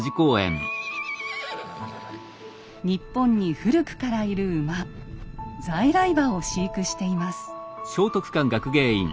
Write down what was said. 日本に古くからいる馬「在来馬」を飼育しています。